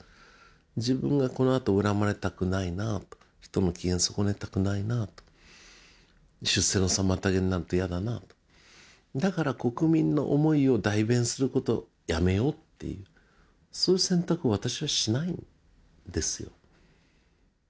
自分がこのあと恨まれたくないなと人の機嫌損ねたくないなと出世の妨げになると嫌だなとだから国民の思いを代弁することやめようっていうそういう選択を私はしないんですよ